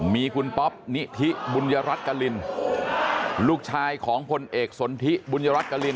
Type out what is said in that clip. มีคุณป๊อปนิธิบุญยรัฐกรินลูกชายของพลเอกสนทิบุญรัฐกริน